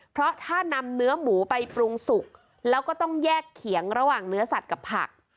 เพราะถ้านำเนื้อหมูไปปรุงสุกแล้วก็ต้องแยกเขียงระหว่างเนื้อสัตว์กับผัก